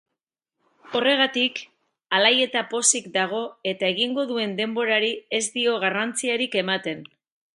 Horregatik alai eta pozik dago eta egingo duen denborari ez dio garrantziarik ematen.